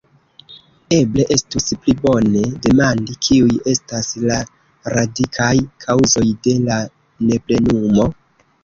Eble estus pli bone demandi, kiuj estas la radikaj kaŭzoj de la neplenumo?